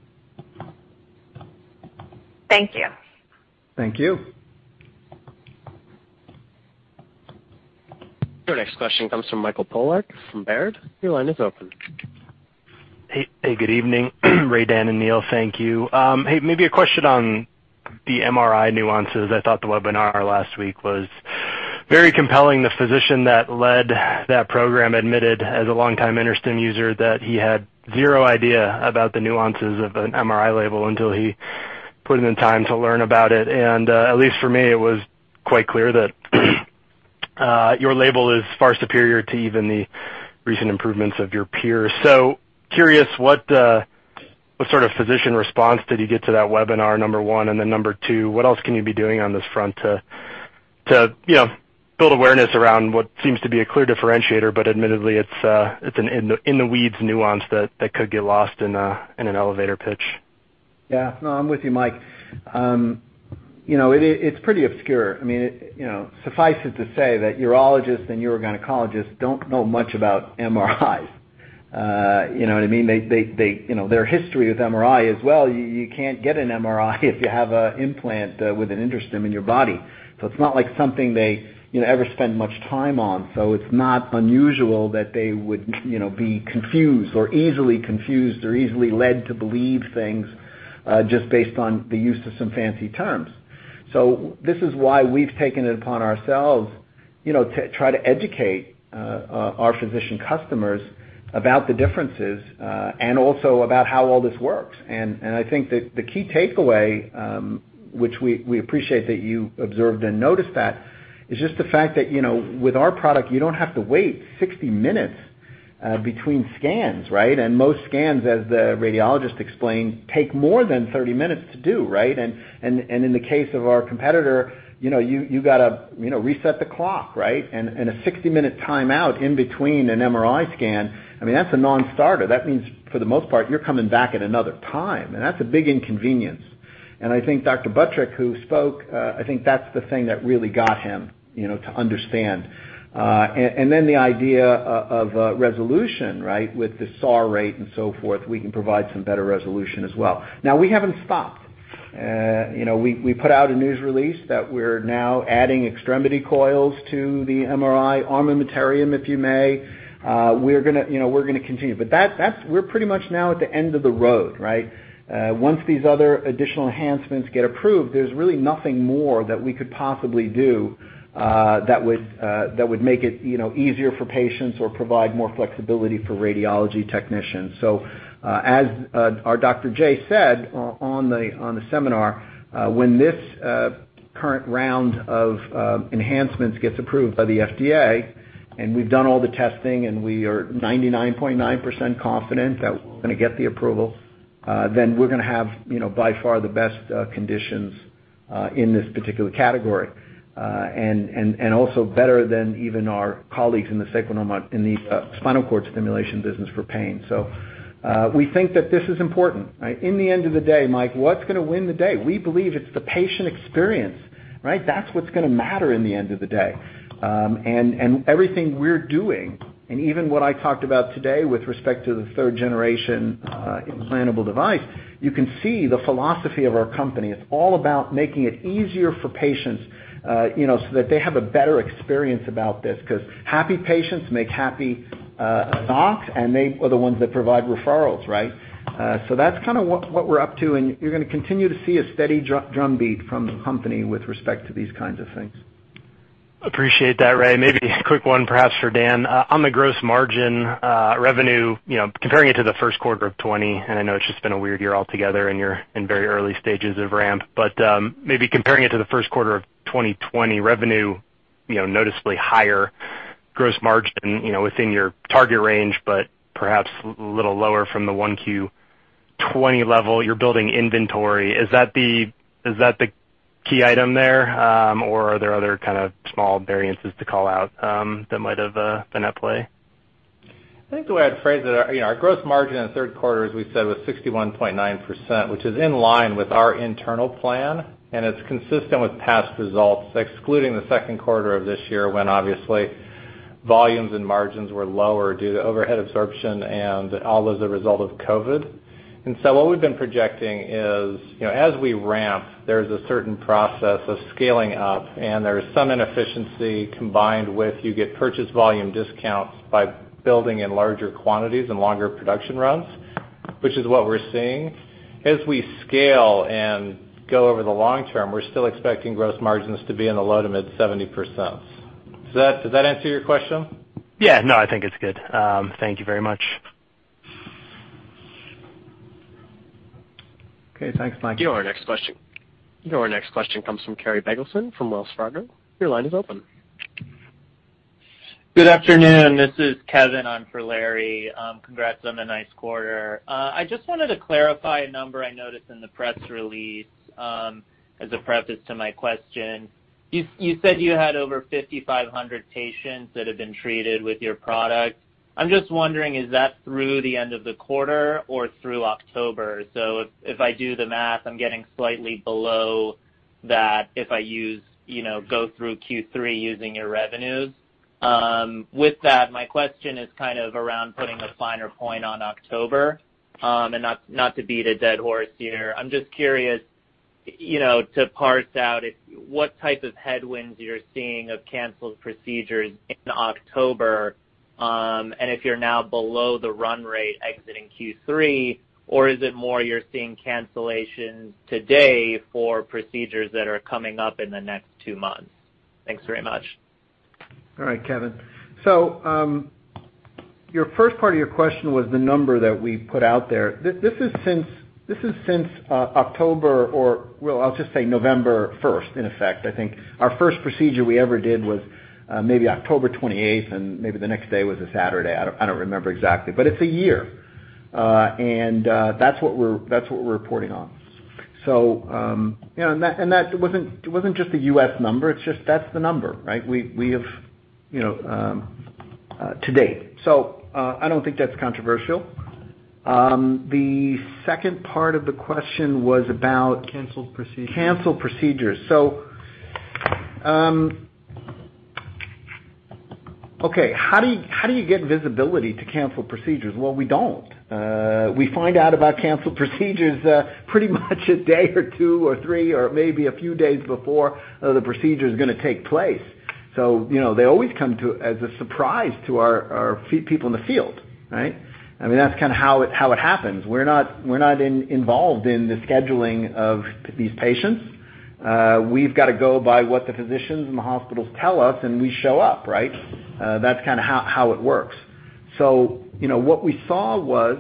Thank you. Thank you. Your next question comes from Mike Polark from Baird. Your line is open. Hey, good evening, Ray, Dan, and Neil. Thank you. Hey, maybe a question on the MRI nuances. I thought the webinar last week was very compelling. The physician that led that program admitted as a longtime InterStim user that he had zero idea about the nuances of an MRI label until he put in the time to learn about it. At least for me, it was quite clear that your label is far superior to even the recent improvements of your peers. Curious, what sort of physician response did you get to that webinar, number one? Number two, what else can you be doing on this front to build awareness around what seems to be a clear differentiator, but admittedly it's an in-the-weeds nuance that could get lost in an elevator pitch? Yeah. No, I'm with you, Mike. It's pretty obscure. Suffice it to say that urologists and urogynecologists don't know much about MRIs. You know what I mean? Their history with MRI is, well, you can't get an MRI if you have an implant with an InterStim in your body. It's not like something they ever spend much time on. It's not unusual that they would be confused or easily confused or easily led to believe things just based on the use of some fancy terms. This is why we've taken it upon ourselves to try to educate our physician customers about the differences and also about how all this works. I think that the key takeaway, which we appreciate that you observed and noticed that, is just the fact that with our product, you don't have to wait 60 minutes between scans, right? Most scans, as the radiologist explained, take more than 30 minutes to do, right? In the case of our competitor, you got to reset the clock, right? A 60-minute timeout in between an MRI scan, that's a non-starter. That means, for the most part, you're coming back at another time, and that's a big inconvenience. I think Dr. Butrick who spoke, I think that's the thing that really got him to understand. The idea of resolution, right? With the SAR rate and so forth, we can provide some better resolution as well. Now, we haven't stopped. We put out a news release that we're now adding extremity coils to the MRI armamentarium, if you may. We're going to continue. We're pretty much now at the end of the road, right? Once these other additional enhancements get approved, there's really nothing more that we could possibly do that would make it easier for patients or provide more flexibility for radiology technicians. As our Dr. J. said on the seminar, when this current round of enhancements gets approved by the FDA, and we've done all the testing, and we are 99.9% confident that we're going to get the approval, then we're going to have by far the best conditions. In this particular category, and also better than even our colleagues in the spinal cord stimulation business for pain. We think that this is important, right? In the end of the day, Mike, what's going to win the day? We believe it's the patient experience, right? That's what's going to matter in the end of the day. Everything we're doing, and even what I talked about today with respect to the third generation implantable device, you can see the philosophy of our company. It's all about making it easier for patients so that they have a better experience about this, because happy patients make happy docs, and they are the ones that provide referrals, right? That's kind of what we're up to, and you're going to continue to see a steady drumbeat from the company with respect to these kinds of things. Appreciate that, Ray. Maybe a quick one perhaps for Dan. On the gross margin revenue, comparing it to the first quarter of 2020, and I know it's just been a weird year altogether and you're in very early stages of ramp. Maybe comparing it to the first quarter of 2020 revenue, noticeably higher gross margin, within your target range, but perhaps a little lower from the 1Q 2020 level. You're building inventory. Is that the key item there? Are there other kind of small variances to call out that might have been at play? I think the way I'd phrase it, our gross margin in the third quarter, as we said, was 61.9%, which is in line with our internal plan, and it's consistent with past results, excluding the second quarter of this year, when obviously volumes and margins were lower due to overhead absorption and all as a result of COVID. What we've been projecting is as we ramp, there's a certain process of scaling up, and there's some inefficiency combined with you get purchase volume discounts by building in larger quantities and longer production runs, which is what we're seeing. As we scale and go over the long term, we're still expecting gross margins to be in the low to mid 70%. Does that answer your question? Yeah. No, I think it's good. Thank you very much. Okay, thanks, Mike. Your next question comes from Larry Biegelsen from Wells Fargo. Your line is open. Good afternoon. This is Kevin on for Larry. Congrats on a nice quarter. I just wanted to clarify a number I noticed in the press release as a preface to my question. You said you had over 5,500 patients that have been treated with your product. I'm just wondering, is that through the end of the quarter or through October? If I do the math, I'm getting slightly below that if I go through Q3 using your revenues. With that, my question is kind of around putting a finer point on October. Not to beat a dead horse here. I'm just curious to parse out what type of headwinds you're seeing of canceled procedures in October, and if you're now below the run rate exiting Q3, or is it more you're seeing cancellations today for procedures that are coming up in the next two months? Thanks very much. All right, Kevin. Your first part of your question was the number that we put out there. This is since October, or, well, I'll just say November 1st, in effect. I think our first procedure we ever did was maybe October 28th, and maybe the next day was a Saturday. I don't remember exactly. It's a year. That's what we're reporting on. That wasn't just a U.S. number. It's just that's the number, right? We have to date. I don't think that's controversial. The second part of the question was about. Canceled procedures canceled procedures. Okay, how do you get visibility to canceled procedures? Well, we don't. We find out about canceled procedures pretty much a day or two or three or maybe a few days before the procedure's going to take place. They always come as a surprise to our people in the field, right? I mean, that's kind of how it happens. We're not involved in the scheduling of these patients. We've got to go by what the physicians and the hospitals tell us, and we show up, right? That's kind of how it works. What we saw was,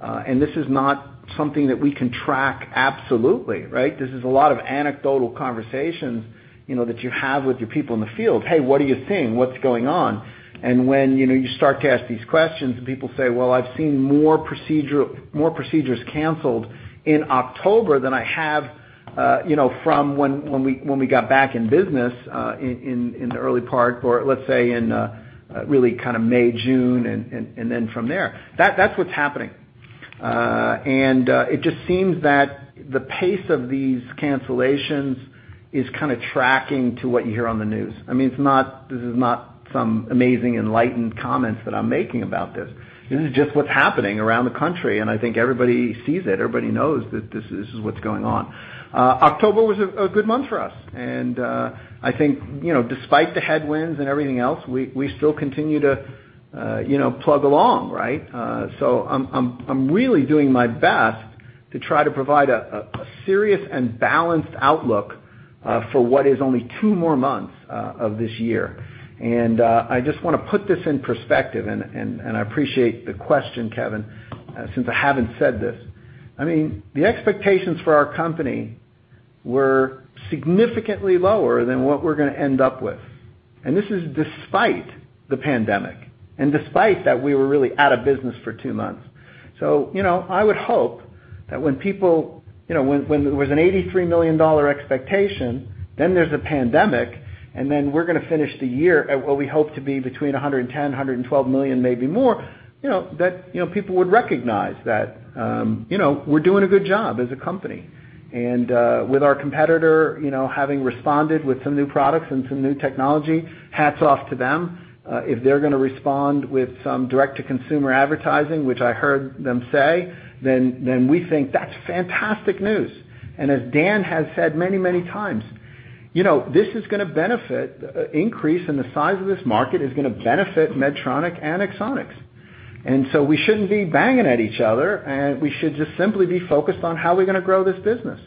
and this is not something that we can track absolutely, right? This is a lot of anecdotal conversations that you have with your people in the field. "Hey, what are you seeing? What's going on? When you start to ask these questions and people say, "Well, I've seen more procedures canceled in October than I have from when we got back in business in the early part or let's say in really kind of May, June, and then from there." That's what's happening. It just seems that the pace of these cancellations is kind of tracking to what you hear on the news. I mean, this is not some amazing enlightened comments that I'm making about this. This is just what's happening around the country, and I think everybody sees it. Everybody knows that this is what's going on. October was a good month for us. I think despite the headwinds and everything else, we still continue to plug along, right? I'm really doing my best to try to provide a serious and balanced outlook for what is only two more months of this year. I just want to put this in perspective, and I appreciate the question, Kevin, since I haven't said this. I mean, the expectations for our company were significantly lower than what we're going to end up with. This is despite the pandemic, and despite that we were really out of business for two months. I would hope that when there was an $83 million expectation, there's a pandemic, and we're going to finish the year at what we hope to be between $110 million-$112 million, maybe more, that people would recognize that we're doing a good job as a company. With our competitor having responded with some new products and some new technology, hats off to them. If they're going to respond with some direct-to-consumer advertising, which I heard them say, we think that's fantastic news. As Dan has said many times, this increase in the size of this market is going to benefit Medtronic and Axonics. We shouldn't be banging at each other, and we should just simply be focused on how we're going to grow this business.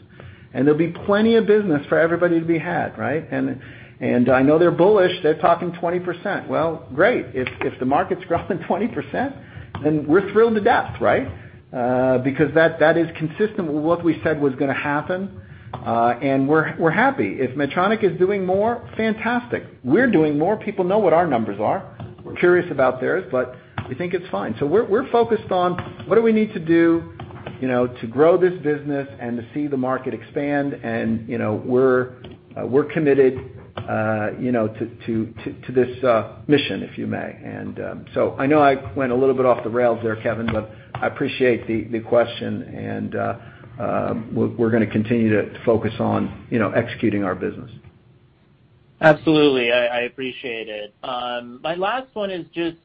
There'll be plenty of business for everybody to be had, right? I know they're bullish. They're talking 20%. Well, great. If the market's growing 20%, then we're thrilled to death, right? Because that is consistent with what we said was going to happen. We're happy. If Medtronic is doing more, fantastic. We're doing more. People know what our numbers are. We're curious about theirs, but we think it's fine. We're focused on what do we need to do to grow this business and to see the market expand, and we're committed to this mission, if you may. I know I went a little bit off the rails there, Kevin, but I appreciate the question, and we're going to continue to focus on executing our business. Absolutely. I appreciate it. My last one is just,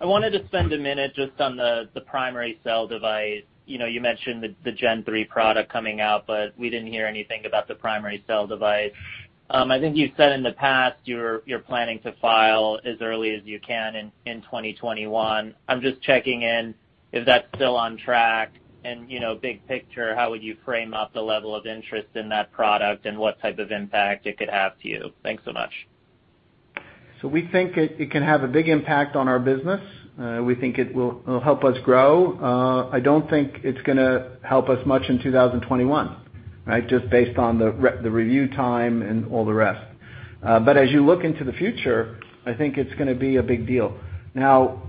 I wanted to spend a minute just on the primary cell device. You mentioned the Gen-3 product coming out, but we didn't hear anything about the primary cell device. I think you said in the past you're planning to file as early as you can in 2021. I'm just checking in if that's still on track and big picture, how would you frame up the level of interest in that product and what type of impact it could have to you? Thanks so much. We think it can have a big impact on our business. We think it will help us grow. I don't think it's going to help us much in 2021, right? Just based on the review time and all the rest. As you look into the future, I think it's going to be a big deal. Now,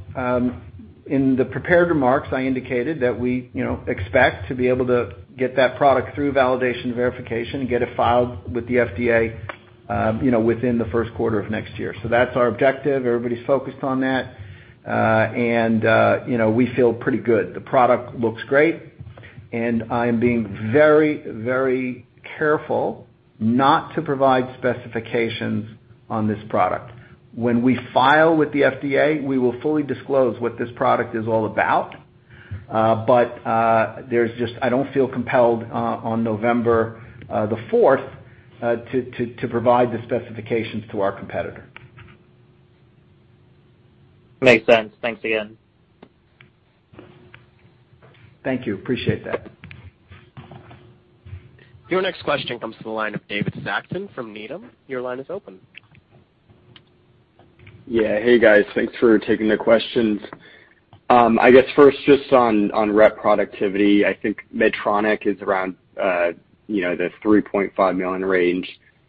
in the prepared remarks, I indicated that we expect to be able to get that product through validation verification and get it filed with the FDA within the first quarter of next year. That's our objective. Everybody's focused on that. We feel pretty good. The product looks great, and I'm being very careful not to provide specifications on this product. When we file with the FDA, we will fully disclose what this product is all about. I don't feel compelled on November the 4th to provide the specifications to our competitor. Makes sense. Thanks again. Thank you. Appreciate that. Your next question comes to the line of David Saxon from Needham. Your line is open. Hey, guys. Thanks for taking the questions. I guess first, just on rep productivity, I think Medtronic is around the $3.5 million range.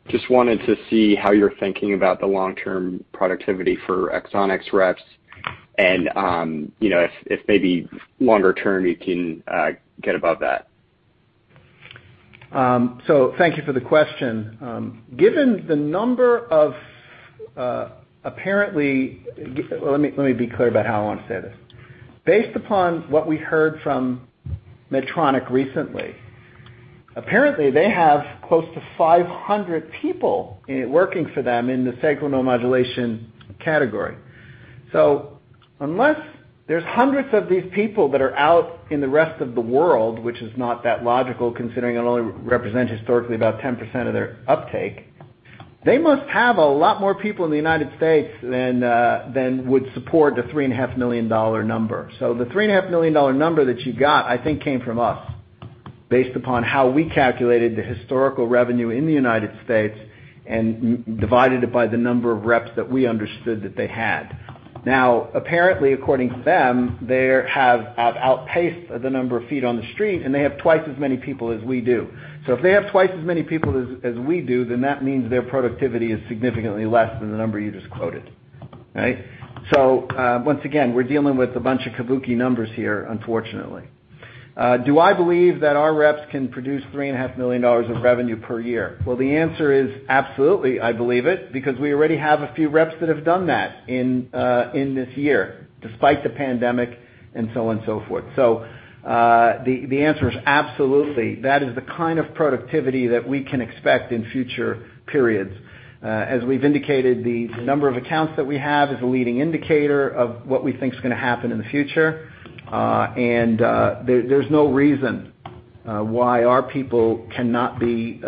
Just wanted to see how you're thinking about the long-term productivity for Axonics reps and if maybe longer term you can get above that? Thank you for the question. Let me be clear about how I want to say this. Based upon what we heard from Medtronic recently, apparently they have close to 500 people working for them in the Sacral Neuromodulation category. Unless there's hundreds of these people that are out in the rest of the world, which is not that logical considering it only represents historically about 10% of their uptake, they must have a lot more people in the U.S. than would support the $3.5 million number. The $3.5 million number that you got, I think came from us based upon how we calculated the historical revenue in the U.S. and divided it by the number of reps that we understood that they had. Apparently, according to them, they have outpaced the number of feet on the street, and they have twice as many people as we do. If they have twice as many people as we do, then that means their productivity is significantly less than the number you just quoted. Right? Once again, we're dealing with a bunch of kabuki numbers here, unfortunately. Do I believe that our reps can produce $3.5 million of revenue per year? Well, the answer is absolutely, I believe it because we already have a few reps that have done that in this year, despite the pandemic and so on and so forth. The answer is absolutely. That is the kind of productivity that we can expect in future periods. As we've indicated, the number of accounts that we have is a leading indicator of what we think is going to happen in the future. There's no reason why our people cannot be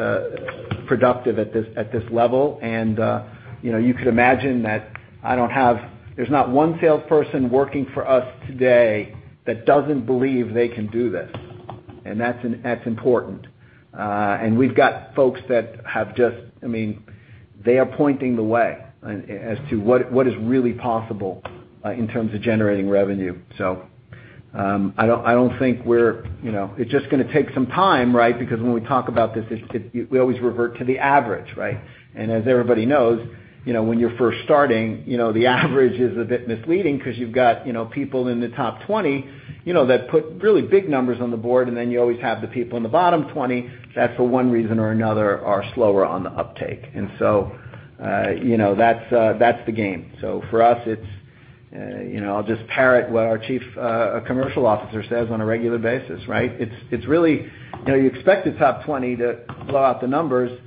productive at this level. You could imagine that there's not one salesperson working for us today that doesn't believe they can do this. That's important. We've got folks. They are pointing the way as to what is really possible in terms of generating revenue. I don't think it's just going to take some time, right? When we talk about this, we always revert to the average. Right? As everybody knows, when you're first starting, the average is a bit misleading because you've got people in the top 20 that put really big numbers on the board, and then you always have the people in the bottom 20 that, for one reason or another, are slower on the uptake. That's the game. For us, I'll just parrot what our Chief Commercial Officer says on a regular basis. Right? You expect the top 20 to blow out the numbers.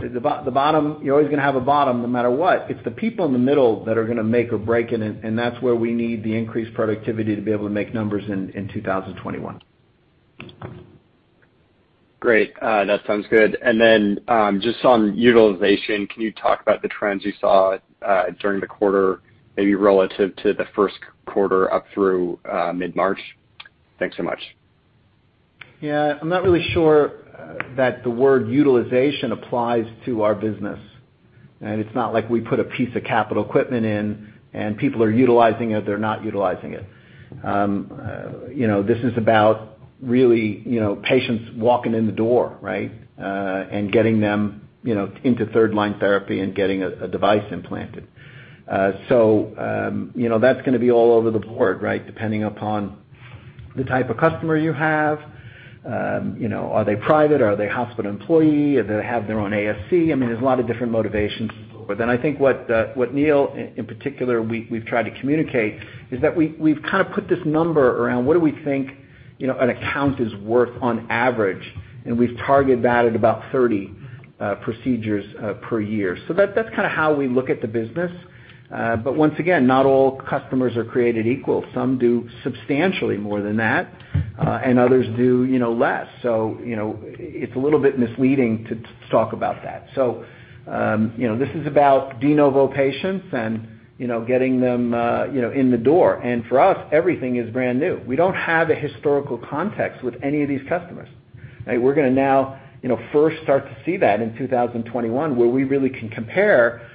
You're always going to have a bottom no matter what. It's the people in the middle that are going to make or break it, and that's where we need the increased productivity to be able to make numbers in 2021. Great. That sounds good. Just on utilization, can you talk about the trends you saw during the quarter, maybe relative to the first quarter up through mid-March? Thanks so much. Yeah. I'm not really sure that the word utilization applies to our business. It's not like we put a piece of capital equipment in and people are utilizing it or they're not utilizing it. This is about really patients walking in the door, right? Getting them into third line therapy and getting a device implanted. That's going to be all over the board, right? Depending upon the type of customer you have. Are they private? Are they a hospital employee? Do they have their own ASC? There's a lot of different motivations. I think what Neil, in particular, we've tried to communicate is that we've kind of put this number around what do we think an account is worth on average, and we've targeted that at about 30 procedures per year. That's kind of how we look at the business. Once again, not all customers are created equal. Some do substantially more than that, and others do less. It's a little bit misleading to talk about that. This is about de novo patients and getting them in the door. And for us, everything is brand new. We don't have a historical context with any of these customers. We're going to now first start to see that in 2021, where we really can compare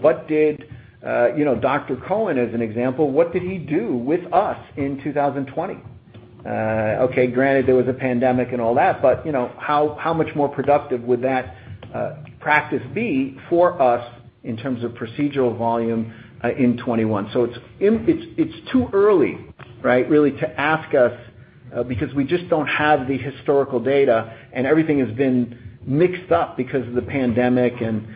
what did Raymond Cohen, as an example, what did he do with us in 2020? Okay, granted, there was a pandemic and all that, but how much more productive would that practice be for us in terms of procedural volume in 2021? It's too early, right, really to ask us because we just don't have the historical data, and everything has been mixed up because of the pandemic and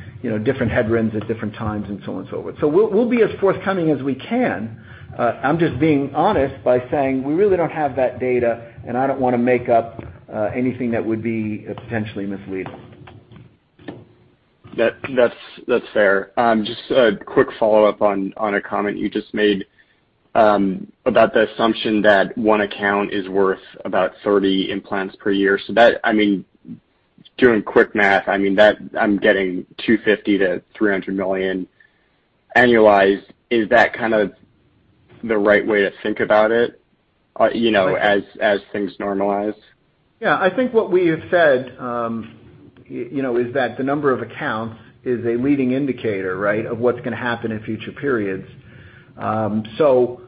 different headwinds at different times and so on and so forth. We'll be as forthcoming as we can. I'm just being honest by saying we really don't have that data, and I don't want to make up anything that would be potentially misleading. That's fair. Just a quick follow-up on a comment you just made about the assumption that one account is worth about 30 implants per year. That, doing quick math, I'm getting $250 million-$300 million annualized. Is that kind of the right way to think about it as things normalize? Yeah. I think what we have said is that the number of accounts is a leading indicator, right, of what's going to happen in future periods. Sure.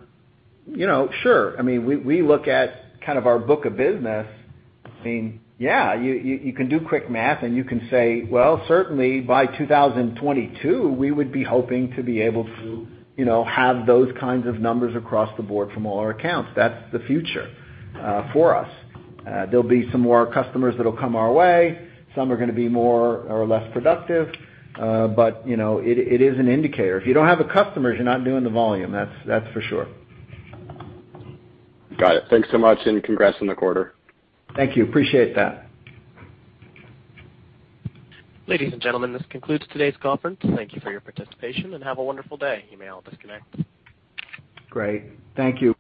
We look at kind of our book of business. Yeah, you can do quick math and you can say, well, certainly by 2022, we would be hoping to be able to have those kinds of numbers across the board from all our accounts. That's the future for us. There'll be some more customers that'll come our way. Some are going to be more or less productive. It is an indicator. If you don't have the customers, you're not doing the volume, that's for sure. Got it. Thanks so much, and congrats on the quarter. Thank you. Appreciate that. Ladies and gentlemen, this concludes today's conference. Thank you for your participation, and have a wonderful day. You may all disconnect. Great. Thank you.